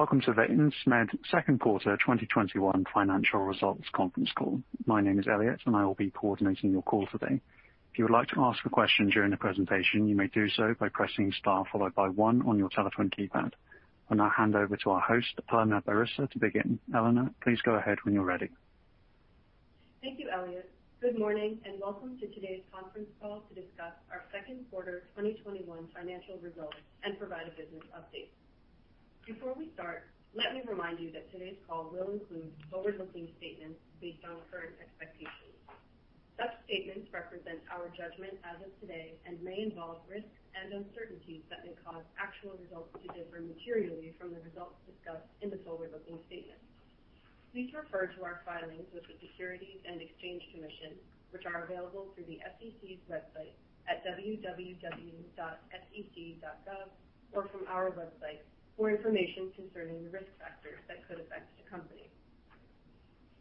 Welcome to the Insmed Second Quarter 2021 Financial Results Conference Call. My name is Elliot, and I will be coordinating your call today. If you would like to ask a question during the presentation, you may do so by pressing star followed by one on your telephone keypad. I'll now hand over to our host, Eleanor Barisser, to begin. Eleanor, please go ahead when you're ready. Thank you, Elliot. Good morning and welcome to today's conference call to discuss our second quarter 2021 financial results and provide a business update. Before we start, let me remind you that today's call will include forward-looking statements based on current expectations. Such statements represent our judgment as of today and may involve risks and uncertainties that may cause actual results to differ materially from the results discussed in the forward-looking statements. Please refer to our filings with the Securities and Exchange Commission, which are available through the SEC's website at www.sec.gov or from our website for information concerning the risk factors that could affect the company.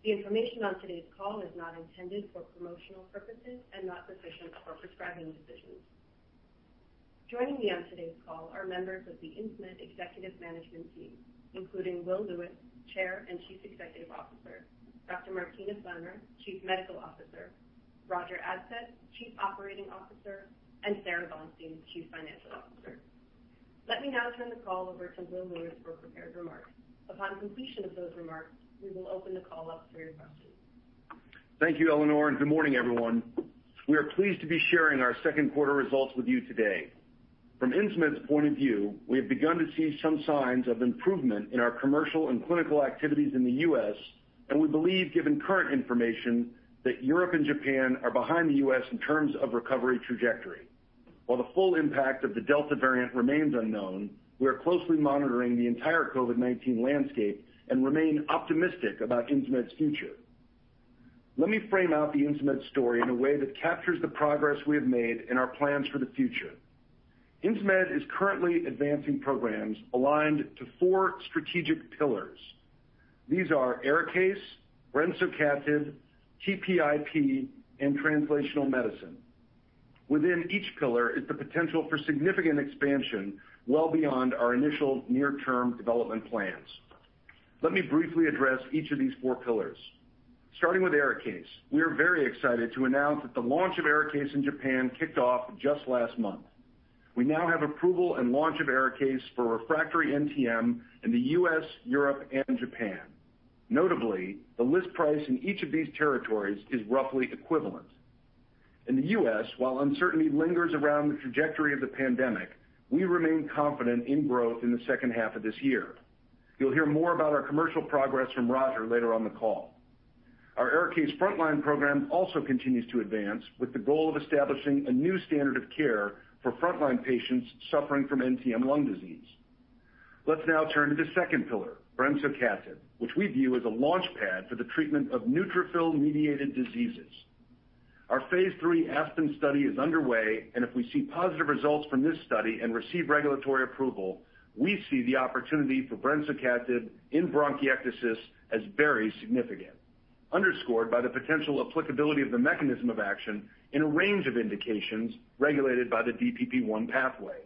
The information on today's call is not intended for promotional purposes and not sufficient for prescribing decisions. Joining me on today's call are members of the Insmed Executive Management Team, including William H. Lewis, Chair and Chief Executive Officer, Dr. Martina Flammer, Chief Medical Officer, Roger Adsett, Chief Operating Officer, and Sara M. Bonstein, Chief Financial Officer. Let me now turn the call over to Will Lewis for prepared remarks. Upon completion of those remarks, we will open the call up for your questions. Thank you, Eleanor, and good morning, everyone. We are pleased to be sharing our second quarter results with you today. From Insmed's point of view, we have begun to see some signs of improvement in our commercial and clinical activities in the U.S., and we believe, given current information, that Europe and Japan are behind the U.S. in terms of recovery trajectory. While the full impact of the Delta variant remains unknown, we are closely monitoring the entire COVID-19 landscape and remain optimistic about Insmed's future. Let me frame out the Insmed story in a way that captures the progress we have made and our plans for the future. Insmed is currently advancing programs aligned to four strategic pillars. These are ARIKAYCE, brensocatib, TPIP, and Translational Medicine. Within each pillar is the potential for significant expansion well beyond our initial near-term development plans. Let me briefly address each of these four pillars. Starting with ARIKAYCE, we are very excited to announce that the launch of ARIKAYCE in Japan kicked off just last month. We now have approval and launch of ARIKAYCE for refractory NTM in the U.S., Europe, and Japan. Notably, the list price in each of these territories is roughly equivalent. In the U.S., while uncertainty lingers around the trajectory of the pandemic, we remain confident in growth in the second half of this year. You'll hear more about our commercial progress from Roger later on the call. Our ARIKAYCE frontline program also continues to advance with the goal of establishing a new standard of care for frontline patients suffering from NTM lung disease. Let's now turn to the second pillar, brensocatib, which we view as a launchpad for the treatment of neutrophil-mediated diseases. Our phase III ASPEN study is underway, and if we see positive results from this study and receive regulatory approval, we see the opportunity for brensocatib in bronchiectasis as very significant, underscored by the potential applicability of the mechanism of action in a range of indications regulated by the DPP-1 pathway.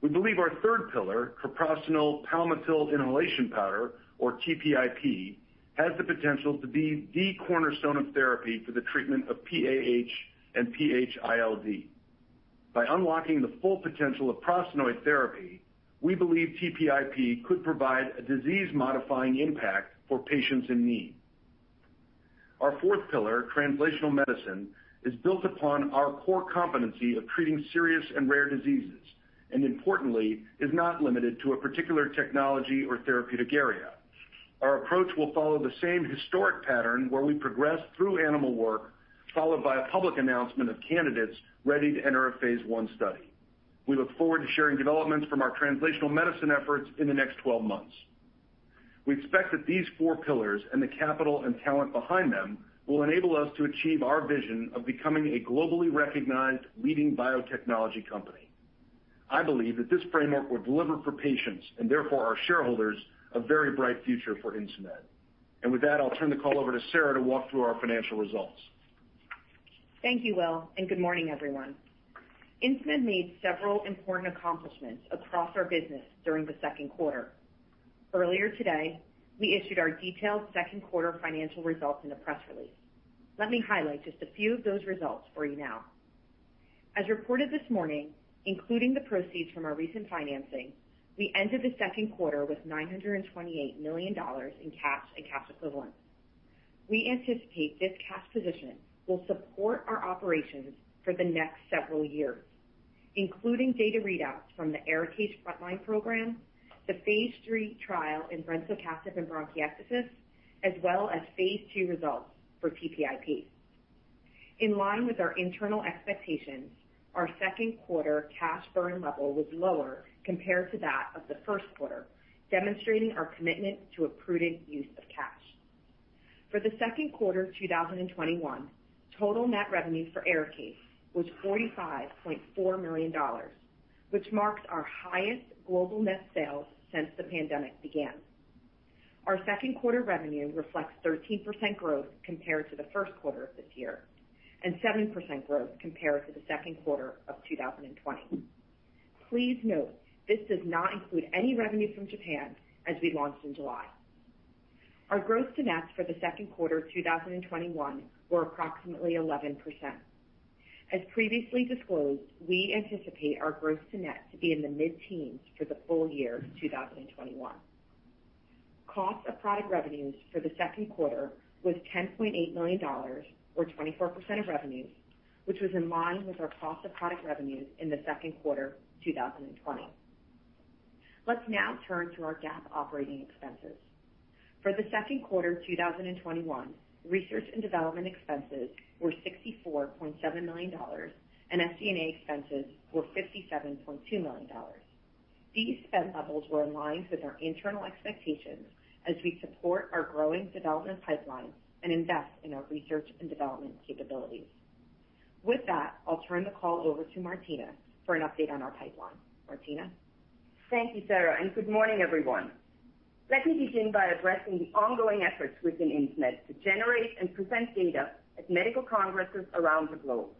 We believe our third pillar, treprostinil palmitil inhalation powder, or TPIP, has the potential to be the cornerstone of therapy for the treatment of PAH and PH-ILD. By unlocking the full potential of prostanoid therapy, we believe TPIP could provide a disease-modifying impact for patients in need. Our fourth pillar, Translational Medicine, is built upon our core competency of treating serious and rare diseases, and importantly, is not limited to a particular technology or therapeutic area. Our approach will follow the same historic pattern where we progress through animal work, followed by a public announcement of candidates ready to enter a Phase I study. We look forward to sharing developments from our Translational Medicine efforts in the next 12 months. We expect that these four pillars and the capital and talent behind them will enable us to achieve our vision of becoming a globally recognized leading biotechnology company. I believe that this framework will deliver for patients, and therefore our shareholders, a very bright future for Insmed. With that, I'll turn the call over to Sara to walk through our financial results. Thank you, Will, and good morning, everyone. Insmed made several important accomplishments across our business during the second quarter. Earlier today, we issued our detailed second quarter financial results in a press release. Let me highlight just a few of those results for you now. As reported this morning, including the proceeds from our recent financing, we ended the second quarter with $928 million in cash and cash equivalents. We anticipate this cash position will support our operations for the next several years, including data readouts from the ARIKAYCE frontline program, the phase III trial in brensocatib and bronchiectasis, as well as phase II results for TPIP. In line with our internal expectations, our second quarter cash burn level was lower compared to that of the first quarter, demonstrating our commitment to a prudent use of cash. For the second quarter of 2021, total net revenue for ARIKAYCE was $45.4 million, which marks our highest global net sales since the pandemic began. Our second quarter revenue reflects 13% growth compared to the first quarter of this year, and 7% growth compared to the second quarter of 2020. Please note, this does not include any revenue from Japan, as we launched in July. Our gross-to-net for the second quarter 2021 were approximately 11%. As previously disclosed, we anticipate our gross-to-net to be in the mid-teens for the full year 2021. Cost of product revenues for the second quarter was $10.8 million, or 24% of revenue, which was in line with our cost of product revenue in the second quarter 2020. Let's now turn to our GAAP operating expenses. For the second quarter 2021, research and development expenses were $64.7 million, and SG&A expenses were $57.2 million. These spend levels were in line with our internal expectations as we support our growing development pipeline and invest in our research and development capabilities. With that, I'll turn the call over to Martina for an update on our pipeline. Martina? Thank you, Sara, good morning, everyone. Let me begin by addressing the ongoing efforts within Insmed to generate and present data at medical congresses around the globe.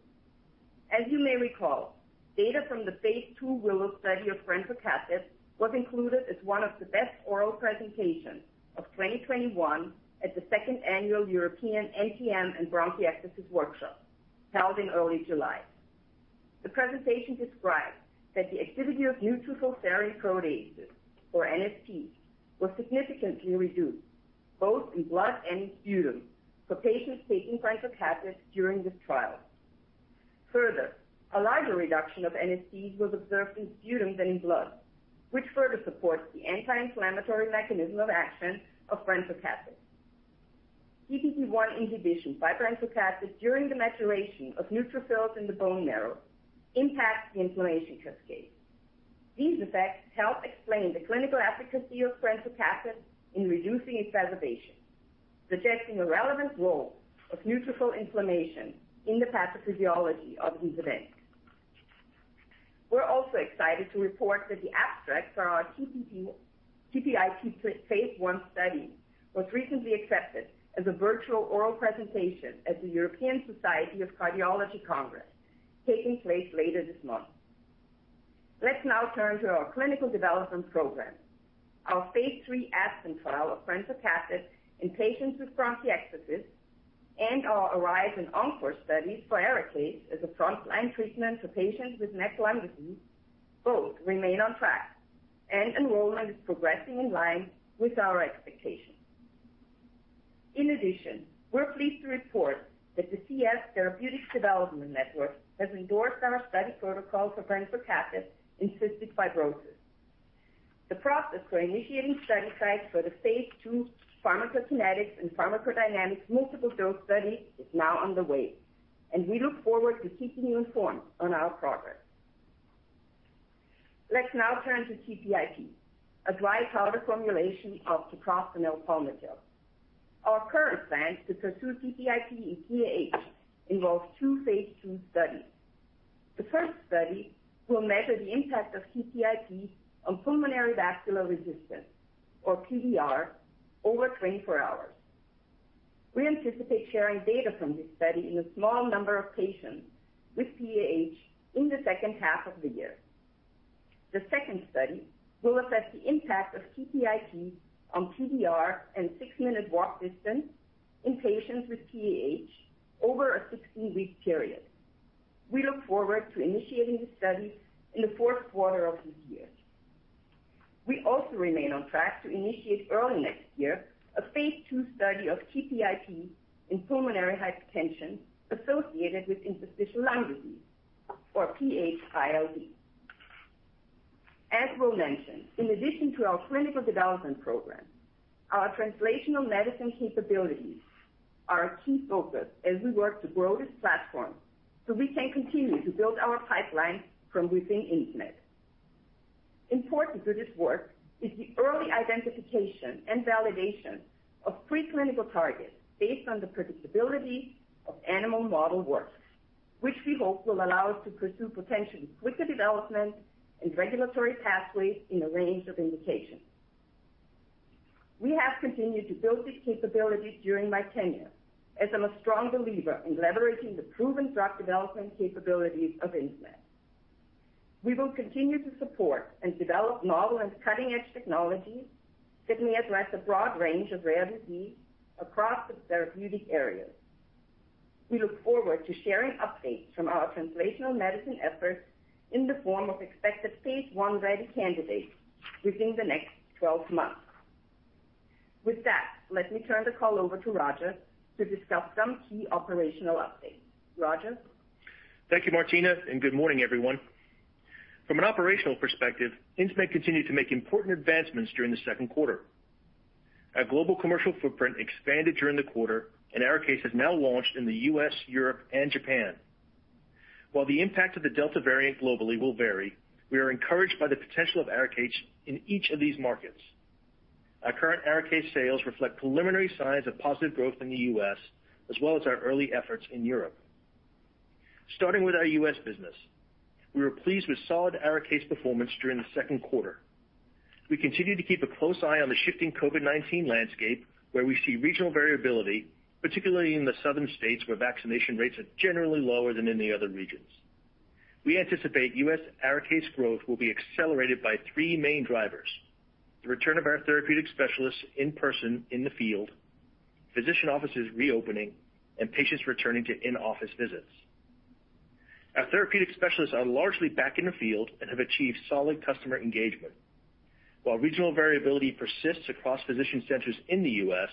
As you may recall, data from the Phase II WILLOW study of brensocatib was included as one of the best oral presentations of 2021 at the second annual European NTM & Bronchiectasis Workshop, held in early July. The presentation described that the activity of neutrophil serine proteases, or NSPs, was significantly reduced both in blood and in sputum for patients taking brensocatib during this trial. Further, a larger reduction of NSP was observed in sputum than in blood, which further supports the anti-inflammatory mechanism of action of brensocatib. DPP1 inhibition by brensocatib during the maturation of neutrophils in the bone marrow impacts the inflammation cascade. These effects help explain the clinical efficacy of brensocatib in reducing exacerbation, suggesting a relevant role of neutrophil inflammation in the pathophysiology of the event. We're also excited to report that the abstract for our TPIP phase I study was recently accepted as a virtual oral presentation at the European Society of Cardiology Congress, taking place later this month. Let's now turn to our clinical development program. Our phase III ASPEN trial of brensocatib in patients with bronchiectasis and our ARISE and ENCORE studies for ARIKAYCE as a frontline treatment for patients with MAC lung disease both remain on track, and enrollment is progressing in line with our expectations. In addition, we're pleased to report that the Cystic Fibrosis Therapeutics Development Network has endorsed our study protocol for brensocatib in cystic fibrosis. The process for initiating study sites for the phase II pharmacokinetics and pharmacodynamics multiple dose study is now underway, and we look forward to keeping you informed on our progress. Let's now turn to TPIP, a dry powder formulation of treprostinil palmitil. Our current plan to pursue TPIP in PAH involves two phase II studies. The first study will measure the impact of TPIP on pulmonary vascular resistance, or PVR, over 24 hours. We anticipate sharing data from this study in a small number of patients with PAH in the second half of the year. The second study will assess the impact of TPIP on PVR and six-minute walk distance in patients with PAH over a 16-week period. We look forward to initiating this study in the fourth quarter of this year. We also remain on track to initiate early next year a phase II study of TPIP in pulmonary hypertension associated with interstitial lung disease, or PH-ILD. As Will mentioned, in addition to our clinical development program, our translational medicine capabilities are a key focus as we work to grow this platform so we can continue to build our pipeline from within Insmed. Important to this work is the early identification and validation of preclinical targets based on the predictability of animal model work, which we hope will allow us to pursue potentially quicker development and regulatory pathways in a range of indications. We have continued to build this capability during my tenure, as I'm a strong believer in leveraging the proven drug development capabilities of Insmed. We will continue to support and develop novel and cutting-edge technologies that may address a broad range of rare disease across the therapeutic areas. We look forward to sharing updates from our Translational Medicine efforts in the form of expected phase I-ready candidates within the next 12 months. With that, let me turn the call over to Roger to discuss some key operational updates. Roger? Thank you, Martina, and good morning, everyone. From an operational perspective, Insmed continued to make important advancements during the second quarter. Our global commercial footprint expanded during the quarter, and ARIKAYCE has now launched in the U.S., Europe, and Japan. While the impact of the Delta variant globally will vary, we are encouraged by the potential of ARIKAYCE in each of these markets. Our current ARIKAYCE sales reflect preliminary signs of positive growth in the U.S., as well as our early efforts in Europe. Starting with our U.S. business. We were pleased with solid ARIKAYCE performance during the second quarter. We continue to keep a close eye on the shifting COVID-19 landscape, where we see regional variability, particularly in the southern states where vaccination rates are generally lower than in the other regions. We anticipate U.S. ARIKAYCE growth will be accelerated by three main drivers, the return of our therapeutic specialists in person in the field, physician offices reopening, and patients returning to in-office visits. Our therapeutic specialists are largely back in the field and have achieved solid customer engagement. While regional variability persists across physician centers in the U.S.,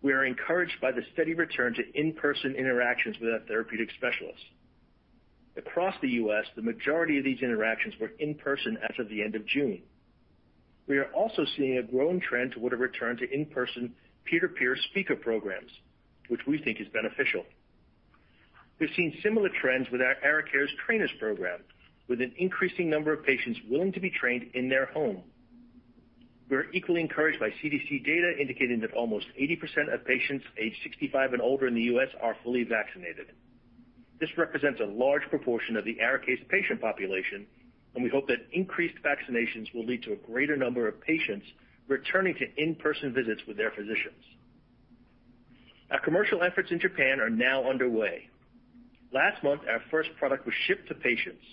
we are encouraged by the steady return to in-person interactions with our therapeutic specialists. Across the U.S., the majority of these interactions were in person as of the end of June. We are also seeing a growing trend toward a return to in-person peer-to-peer speaker programs, which we think is beneficial. We've seen similar trends with our ARIKAYCE trainers program, with an increasing number of patients willing to be trained in their home. We're equally encouraged by CDC data indicating that almost 80% of patients aged 65 and older in the U.S. are fully vaccinated. This represents a large proportion of the ARIKAYCE patient population, and we hope that increased vaccinations will lead to a greater number of patients returning to in-person visits with their physicians. Our commercial efforts in Japan are now underway. Last month, our first product was shipped to patients.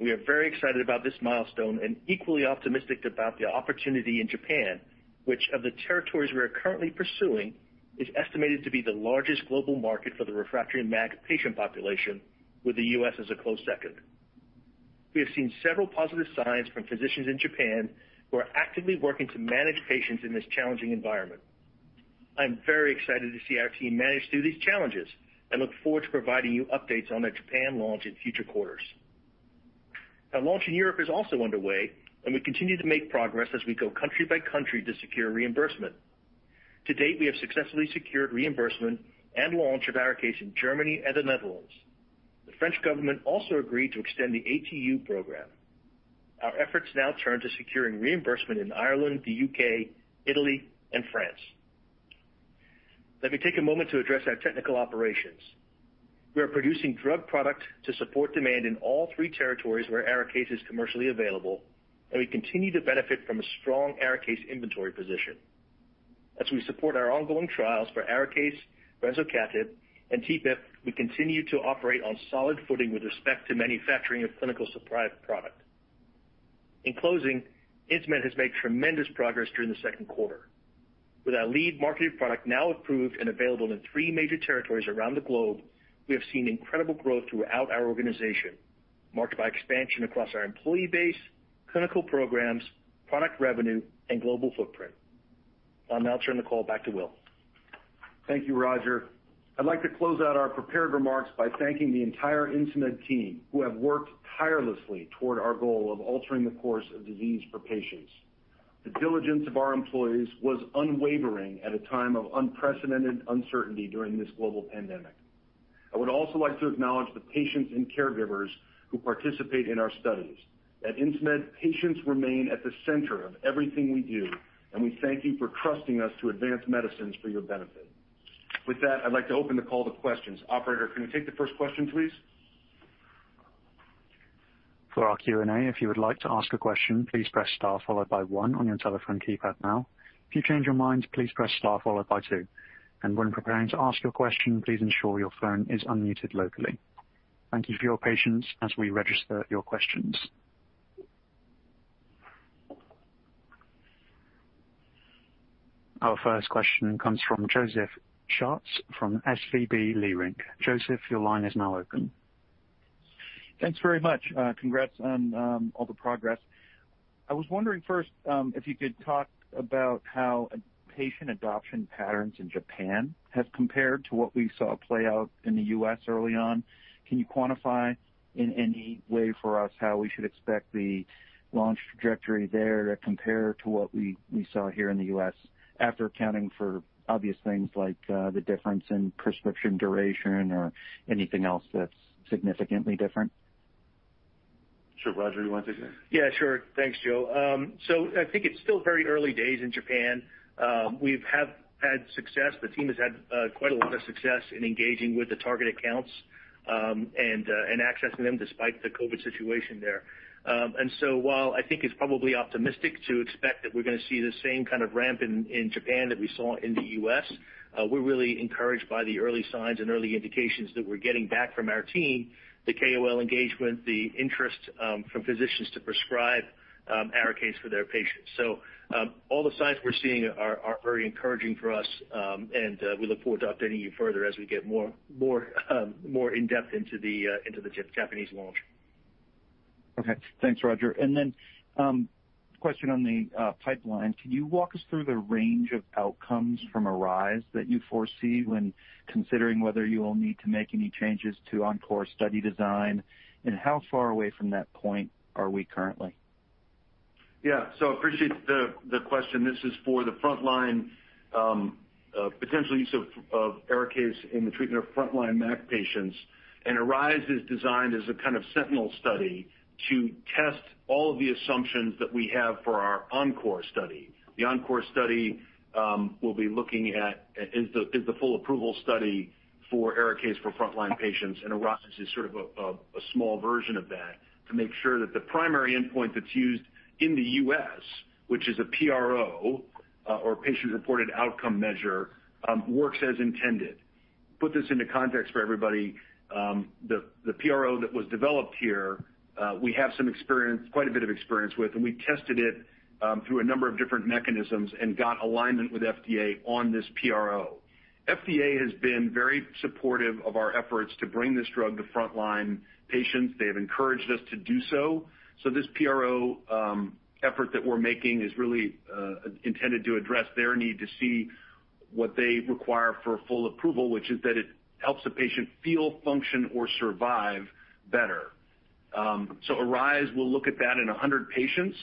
We are very excited about this milestone and equally optimistic about the opportunity in Japan, which, of the territories we are currently pursuing, is estimated to be the largest global market for the refractory MAC patient population, with the U.S. as a close second. We have seen several positive signs from physicians in Japan who are actively working to manage patients in this challenging environment. I'm very excited to see our team manage through these challenges and look forward to providing you updates on the Japan launch in future quarters. Our launch in Europe is also underway, and we continue to make progress as we go country by country to secure reimbursement. To date, we have successfully secured reimbursement and launched ARIKAYCE in Germany and the Netherlands. The French government also agreed to extend the ATU program. Our efforts now turn to securing reimbursement in Ireland, the U.K., Italy and France. Let me take a moment to address our technical operations. We are producing drug product to support demand in all three territories where ARIKAYCE is commercially available, and we continue to benefit from a strong ARIKAYCE inventory position. As we support our ongoing trials for ARIKAYCE, brensocatib and TPIP, we continue to operate on solid footing with respect to manufacturing of clinical supply product. In closing, Insmed has made tremendous progress during the second quarter. With our lead marketed product now approved and available in three major territories around the globe, we have seen incredible growth throughout our organization, marked by expansion across our employee base, clinical programs, product revenue and global footprint. I'll now turn the call back to William. Thank you, Roger. I'd like to close out our prepared remarks by thanking the entire Insmed team who have worked tirelessly toward our goal of altering the course of disease for patients. The diligence of our employees was unwavering at a time of unprecedented uncertainty during this global pandemic. I would also like to acknowledge the patients and caregivers who participate in our studies. At Insmed, patients remain at the center of everything we do, and we thank you for trusting us to advance medicines for your benefit. With that, I'd like to open the call to questions. Operator, can you take the first question, please? For our Q&A, if you would like to ask a question, please press star followed by one on your telephone keypad. Now, if you change your mind, please press star followed by two. And when preparing to ask your question, please ensure your phone is unmuted locally. Thank you for your patience as we register your questions. Our first question comes from Joseph Schwartz from SVB Leerink. Joseph, your line is now open. Thanks very much. Congrats on all the progress. I was wondering first if you could talk about how patient adoption patterns in Japan has compared to what we saw play out in the U.S. early on. Can you quantify in any way for us how we should expect the launch trajectory there to compare to what we saw here in the U.S. after accounting for obvious things like the difference in prescription duration or anything else that's significantly different? Sure. Roger, you want to take that? Yeah, sure. Thanks, Joseph. I think it's still very early days in Japan. We have had success. The team has had quite a lot of success in engaging with the target accounts and accessing them despite the COVID situation there. While I think it's probably optimistic to expect that we're going to see the same kind of ramp in Japan that we saw in the U.S., we're really encouraged by the early signs and early indications that we're getting back from our team, the KOL engagement, the interest from physicians to prescribe ARIKAYCE for their patients. All the signs we're seeing are very encouraging for us. We look forward to updating you further as we get more in-depth into the Japanese launch. Okay. Thanks, Roger. Then question on the pipeline. Can you walk us through the range of outcomes from ARISE that you foresee when considering whether you will need to make any changes to ENCORE study design? How far away from that point are we currently? Yeah. Appreciate the question. This is for the frontline potential use of ARIKAYCE in the treatment of frontline MAC patients, and ARISE is designed as a kind of sentinel study to test all of the assumptions that we have for our ENCORE study. The ENCORE study we'll be looking at is the full approval study for ARIKAYCE for frontline patients, and ARISE is sort of a small version of that to make sure that the primary endpoint that's used in the U.S., which is a PRO, or patient-reported outcome measure, works as intended. Put this into context for everybody, the PRO that was developed here, we have quite a bit of experience with, and we tested it through a number of different mechanisms and got alignment with FDA on this PRO. FDA has been very supportive of our efforts to bring this drug to frontline patients. They have encouraged us to do so. This PRO effort that we're making is really intended to address their need to see what they require for full approval, which is that it helps the patient feel, function, or survive better. ARISE will look at that in 100 patients,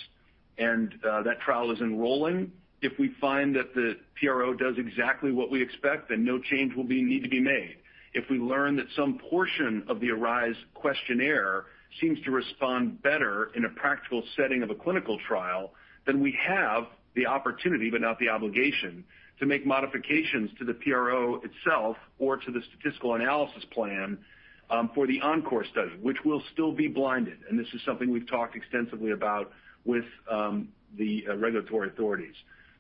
and that trial is enrolling. If we find that the PRO does exactly what we expect, no change will need to be made. If we learn that some portion of the ARISE questionnaire seems to respond better in a practical setting of a clinical trial, we have the opportunity, but not the obligation, to make modifications to the PRO itself or to the statistical analysis plan for the ENCORE study, which will still be blinded. This is something we've talked extensively about with the regulatory authorities.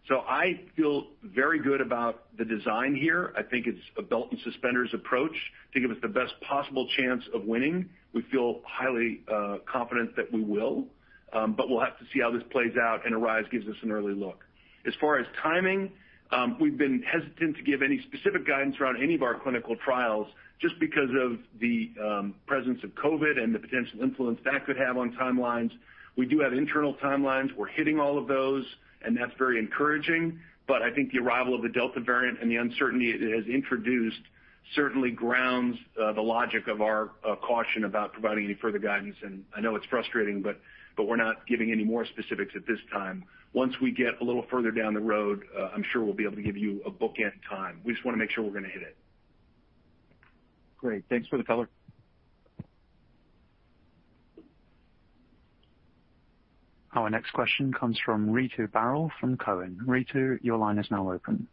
I feel very good about the design here. I think it's a belt and suspenders approach to give us the best possible chance of winning. We feel highly confident that we will, but we'll have to see how this plays out, and ARISE gives us an early look. As far as timing, we've been hesitant to give any specific guidance around any of our clinical trials, just because of the presence of COVID and the potential influence that could have on timelines. We do have internal timelines. We're hitting all of those, and that's very encouraging. I think the arrival of the Delta variant and the uncertainty it has introduced certainly grounds the logic of our caution about providing any further guidance, and I know it's frustrating, but we're not giving any more specifics at this time. Once we get a little further down the road, I'm sure we'll be able to give you a bookend time. We just want to make sure we're going to hit it. Great. Thanks for the color. Our next question comes from Ritu Baral from Cowen. Ritu, your line is now open.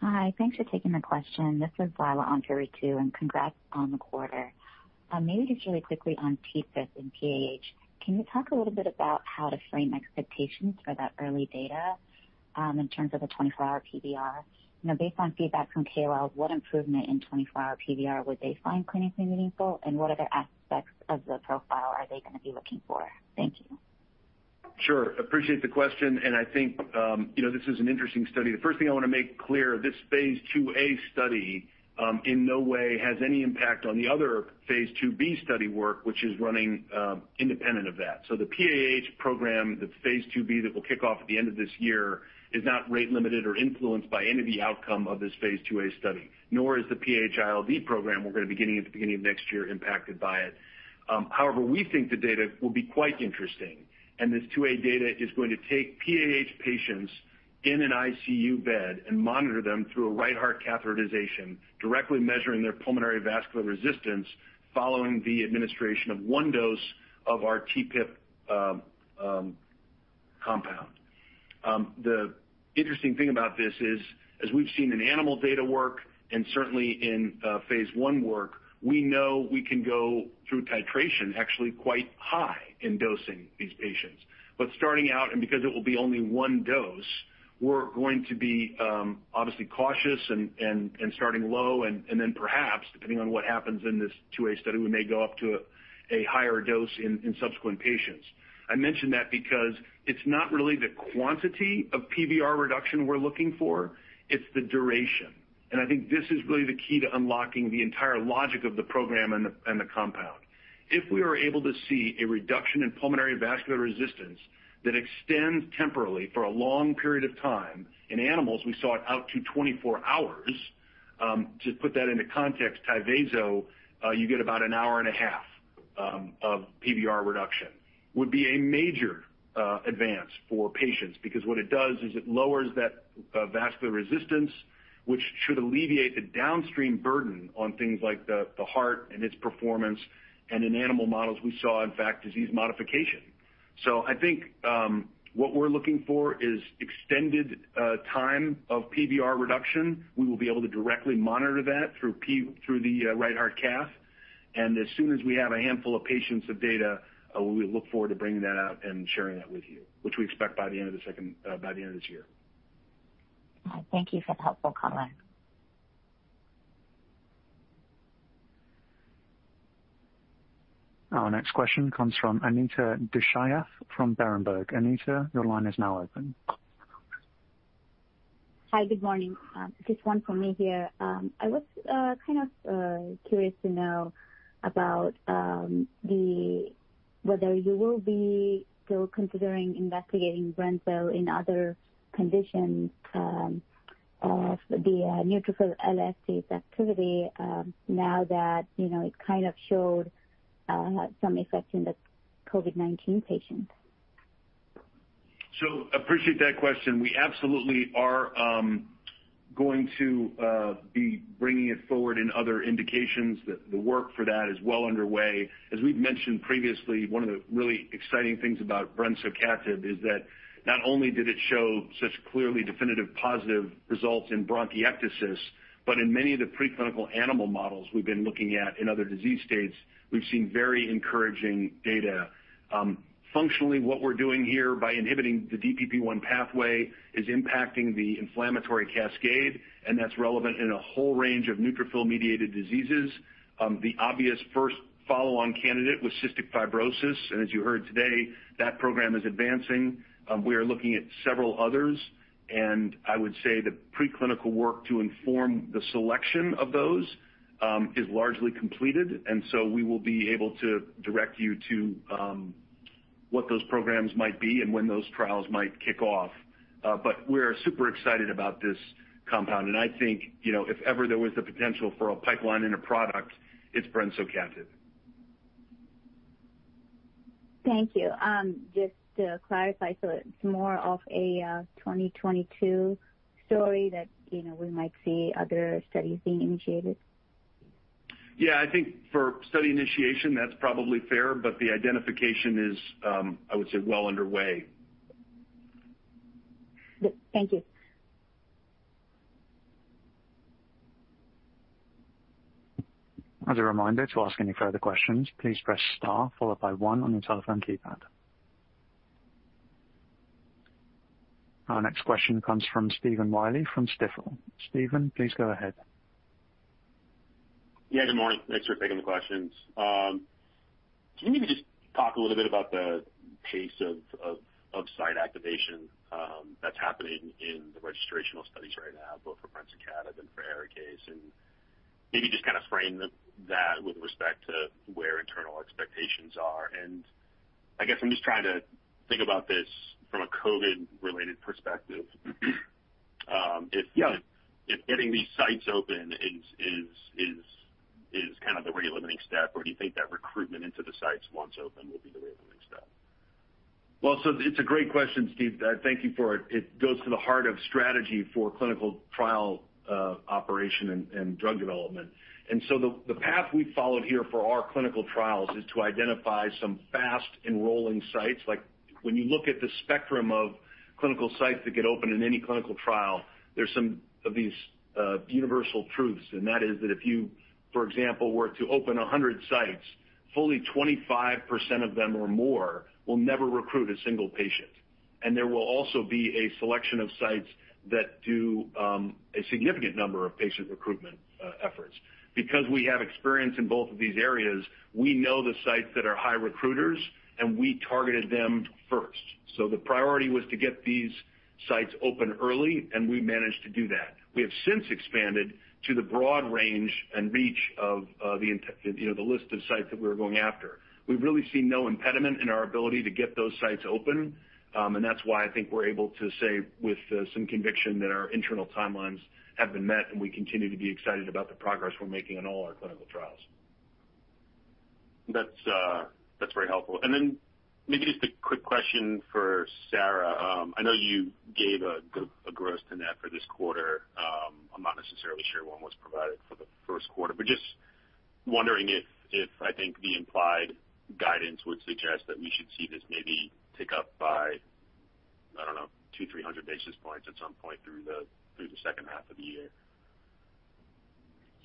Hi. Thanks for taking the question. This is Lila on Ritu, and congrats on the quarter. Maybe just really quickly on TPIP in PAH, can you talk a little bit about how to frame expectations for that early data, in terms of a 24-hour PVR? Based on feedback from KOLs, what improvement in 24-hour PVR would they find clinically meaningful, and what other aspects of the profile are they going to be looking for? Thank you. Sure. Appreciate the question. I think this is an interesting study. The first thing I want to make clear, this phase IIa study in no way has any impact on the other phase IIb study work, which is running independent of that. The PAH program, the phase IIb that will kick off at the end of this year is not rate limited or influenced by any of the outcome of this phase IIa study, nor is the PAH-ILD program we're going to be beginning at the beginning of next year impacted by it. However, we think the data will be quite interesting. This phase IIa data is going to take PAH patients in an ICU bed and monitor them through a right heart catheterization, directly measuring their pulmonary vascular resistance following the administration of one dose of our TPIP compound. The interesting thing about this is, as we've seen in animal data work and certainly in phase I work, we know we can go through titration actually quite high in dosing these patients. Starting out, and because it will be only one dose, we're going to be obviously cautious and starting low and then perhaps, depending on what happens in this phase IIa study, we may go up to a higher dose in subsequent patients. I mention that because it's not really the quantity of PVR reduction we're looking for, it's the duration. I think this is really the key to unlocking the entire logic of the program and the compound. If we are able to see a reduction in pulmonary vascular resistance that extends temporally for a long period of time, in animals, we saw it out to 24 hours. To put that into context, Tyvaso, you get about an hour and a half of PVR reduction. Would be a major advance for patients because what it does is it lowers that vascular resistance, which should alleviate the downstream burden on things like the heart and its performance. In animal models, we saw, in fact, disease modification. I think what we're looking for is extended time of PVR reduction. We will be able to directly monitor that through the right heart cath. As soon as we have a handful of patients of data, we look forward to bringing that out and sharing that with you, which we expect by the end of this year. Thank you for the helpful color. Our next question comes from Anita Dushyanth from Berenberg Capital Markets. Anita, your line is now open. Hi. Good morning. Just one from me here. I was kind of curious to know about whether you will be still considering investigating brensocatib in other conditions of the neutrophil elastase activity now that it kind of showed some effect in the COVID-19 patients. Appreciate that question. We absolutely are going to be bringing it forward in other indications. The work for that is well underway. As we've mentioned previously, one of the really exciting things about brensocatib is that not only did it show such clearly definitive positive results in bronchiectasis, but in many of the preclinical animal models we've been looking at in other disease states, we've seen very encouraging data. Functionally, what we're doing here by inhibiting the DPP1 pathway is impacting the inflammatory cascade, and that's relevant in a whole range of neutrophil-mediated diseases. The obvious first follow-on candidate was cystic fibrosis, and as you heard today, that program is advancing. We are looking at several others, and I would say the preclinical work to inform the selection of those is largely completed. We will be able to direct you to what those programs might be and when those trials might kick off. We're super excited about this compound, and I think, if ever there was the potential for a pipeline in a product, it's brensocatib. Thank you. Just to clarify, it's more of a 2022 story that we might see other studies being initiated? I think for study initiation, that's probably fair, but the identification is, I would say, well underway. Good. Thank you. As a reminder, to ask any further questions, please press star followed by one on your telephone keypad. Our next question comes from Stephen Willey from Stifel. Stephen, please go ahead. Yeah, good morning. Thanks for taking the questions. Can you maybe just talk a little bit about the pace of site activation that's happening in the registrational studies right now, both for brensocatib and for ARIKAYCE, and maybe just kind of frame that with respect to where internal expectations are? I guess I'm just trying to think about this from a COVID-related perspective. Yeah. If getting these sites open is the rate-limiting step, or do you think that recruitment into the sites once open will be the rate-limiting step? Well, it's a great question, Stephen. Thank you for it. It goes to the heart of strategy for clinical trial operation and drug development. The path we've followed here for our clinical trials is to identify some fast-enrolling sites. Like when you look at the spectrum of clinical sites that get open in any clinical trial, there's some of these universal truths, and that is that if you, for example, were to open 100 sites, fully 25% of them or more will never recruit a single patient. There will also be a selection of sites that do a significant number of patient recruitment efforts. Because we have experience in both of these areas, we know the sites that are high recruiters, and we targeted them first. The priority was to get these sites open early, and we managed to do that. We have since expanded to the broad range and reach of the list of sites that we were going after. We've really seen no impediment in our ability to get those sites open, and that's why I think we're able to say with some conviction that our internal timelines have been met, and we continue to be excited about the progress we're making on all our clinical trials. That's very helpful. Maybe just a quick question for Sara. I know you gave a gross-to-net for this quarter. I'm not necessarily sure one was provided for the first quarter, just wondering if, I think the implied guidance would suggest that we should see this maybe tick up by, I don't know, 200, 300 basis points at some point through the second half of the year.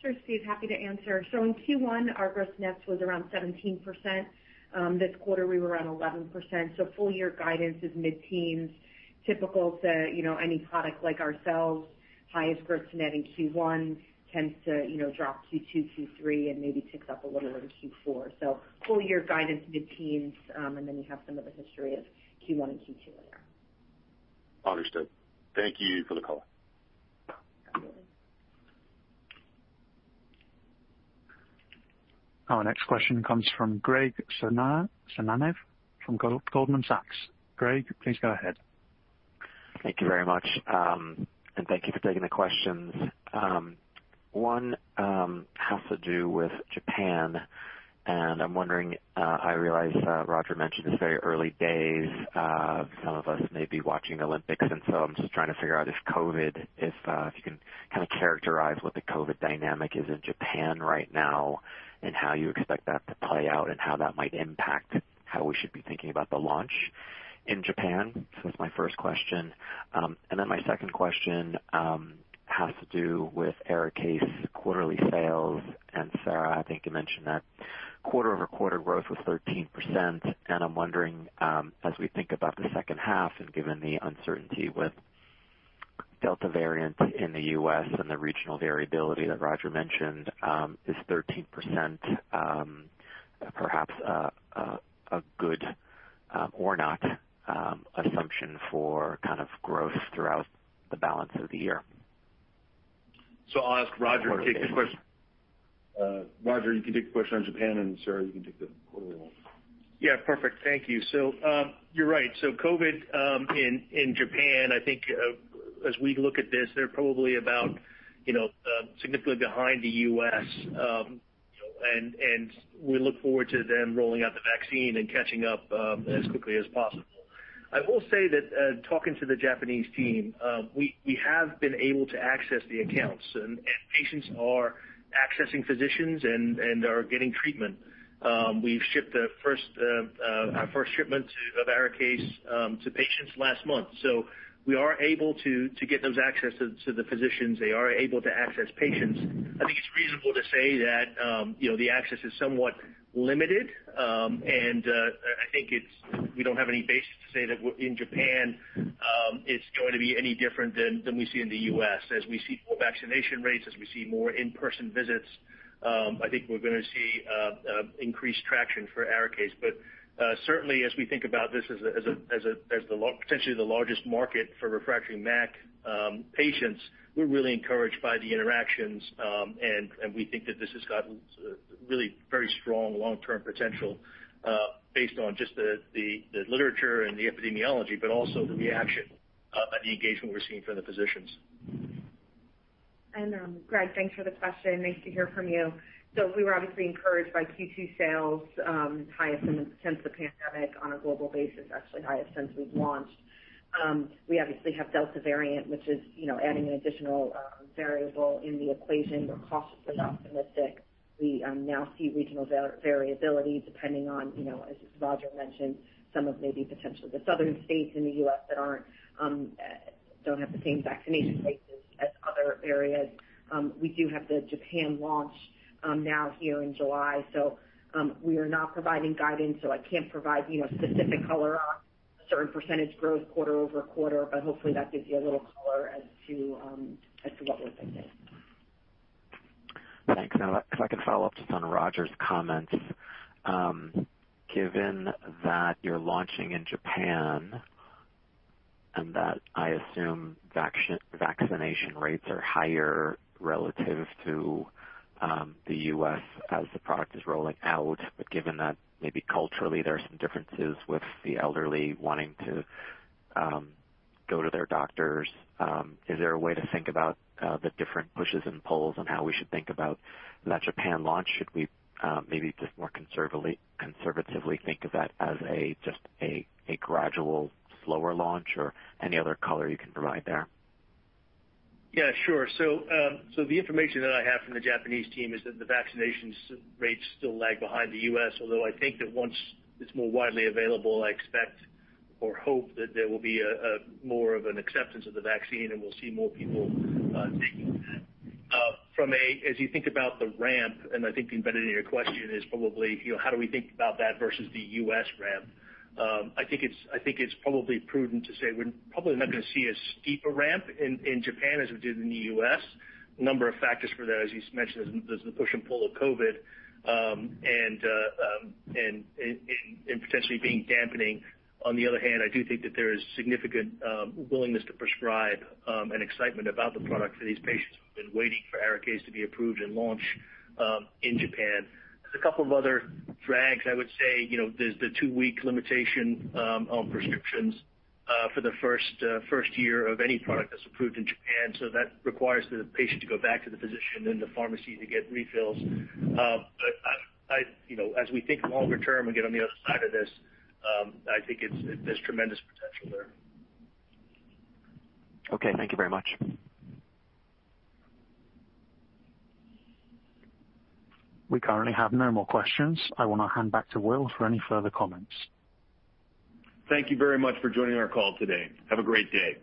Sure, Stephen. Happy to answer. In Q1, our gross-to-net was around 17%. This quarter, we were around 11%, so full year guidance is mid-teens. Typical to any product like ourselves, highest gross-to-net in Q1 tends to drop Q2, Q3, and maybe ticks up a little in Q4. Full year guidance mid-teens, and then you have some of the history of Q1 and Q2 there. Understood. Thank you for the color. Absolutely. Our next question comes from Graig Suvannavejh from Goldman Sachs. Graig, please go ahead. Thank you very much. Thank you for taking the questions. One has to do with Japan, and I'm wondering, I realize Roger Adsett mentioned it's very early days. Some of us may be watching the Olympics, and so I'm just trying to figure out if you can kind of characterize what the COVID dynamic is in Japan right now and how you expect that to play out and how that might impact how we should be thinking about the launch in Japan. That's my first question. My second question has to do with ARIKAYCE quarterly sales. Sara M. Bonstein, I think you mentioned that quarter-over-quarter growth was 13%, and I'm wondering, as we think about the second half and given the uncertainty with Delta variant in the U.S. and the regional variability that Roger Adsett mentioned, is 13% perhaps a good or not assumption for kind of growth throughout the balance of the year? I'll ask Roger to take this question. Roger, you can take the question on Japan, and Sara, you can take the overall. Yeah, perfect. Thank you. You're right. COVID in Japan, I think as we look at this, they're probably about significantly behind the U.S. We look forward to them rolling out the vaccine and catching up as quickly as possible. I will say that talking to the Japanese team, we have been able to access the accounts, and patients are accessing physicians and are getting treatment. We've shipped our first shipment of ARIKAYCE to patients last month. We are able to get those access to the physicians. They are able to access patients. I think it's reasonable to say that the access is somewhat limited. I think we don't have any basis to say that in Japan it's going to be any different than we see in the U.S. As we see more vaccination rates, as we see more in-person visits, I think we're going to see increased traction for ARIKAYCE. Certainly, as we think about this as potentially the largest market for refractory MAC patients, we're really encouraged by the interactions, and we think that this has got really very strong long-term potential based on just the literature and the epidemiology, but also the reaction and the engagement we're seeing from the physicians. Graig, thanks for the question. Nice to hear from you. We were obviously encouraged by Q2 sales, highest since the pandemic on a global basis, actually highest since we've launched. We obviously have Delta variant, which is adding an additional variable in the equation. We're cautiously optimistic. We now see regional variability depending on, as Roger mentioned, some of maybe potentially the southern states in the U.S. that don't have the same vaccination rates as other areas. We do have the Japan launch now here in July. We are not providing guidance, so I can't provide specific color on certain percentage growth quarter-over-quarter, but hopefully that gives you a little color as to what we're thinking. Thanks. If I could follow up just on Roger's comments. Given that you're launching in Japan and that I assume vaccination rates are higher relative to the U.S. as the product is rolling out, but given that maybe culturally there are some differences with the elderly wanting to go to their doctors, is there a way to think about the different pushes and pulls on how we should think about that Japan launch? Should we maybe just more conservatively think of that as a gradual slower launch? Any other color you can provide there? Yeah, sure. The information that I have from the Japanese team is that the vaccinations rates still lag behind the U.S., although I think that once it's more widely available, I expect or hope that there will be more of an acceptance of the vaccine and we'll see more people taking it. As you think about the ramp, and I think the embedded in your question is probably how do we think about that versus the U.S. ramp? I think it's probably prudent to say we're probably not going to see as steep a ramp in Japan as we did in the U.S. A number of factors for that, as you mentioned, is the push and pull of COVID, and potentially being dampening. On the other hand, I do think that there is significant willingness to prescribe and excitement about the product for these patients who've been waiting for ARIKAYCE to be approved and launched in Japan. There's a couple of other drags. I would say there's the two-week limitation on prescriptions for the first year of any product that's approved in Japan. That requires the patient to go back to the physician and the pharmacy to get refills. As we think longer term and get on the other side of this, I think there's tremendous potential there. Okay, thank you very much. We currently have no more questions. I want to hand back to William for any further comments. Thank you very much for joining our call today. Have a great day.